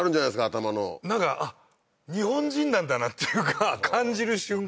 頭のなんか日本人なんだなっていうか感じる瞬間